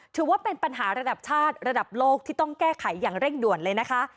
ถือว่าเป็นปัญหาระดับชาติระดับโลกที่ต้องแก้ไขอย่างเร่งด่วนเลยนะคะ